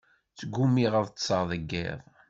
Sgumiɣ ad ṭṭseɣ deg iḍ.